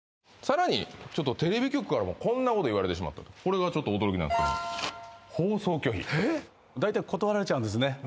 さらにちょっとテレビ局からもこんなこと言われてしまったとこれがちょっと驚きなんですけども放送拒否えっ？